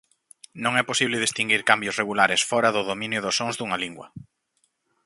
Non é posible distinguir cambios regulares fóra do dominio dos sons dunha lingua.